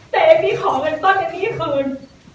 แต่เอมมี่ขอเงินต้นเอมมี่คืน